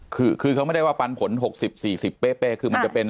คือคือเขาไม่ได้ว่าปันผลหกสิบสี่สิบเป๊ะคือมันจะเป็น